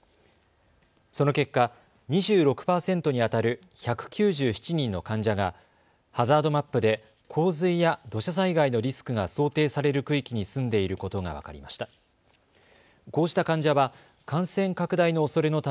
その結果、２６％にあたる１９７人の患者がハザードマップで洪水や土砂災害のリスクが想定される区域に住んでいることが分かりました。